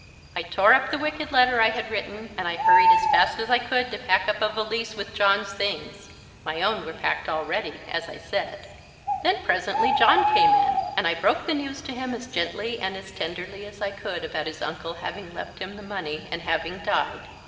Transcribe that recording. I tore up the wicked letter I had written, and I hurried as fast as I could to pack up a valise with John's things (my own were packed already, as I said). Then presently John came in, and I broke the news to him as gently and as tenderly as I could about his uncle having left him the money and having died.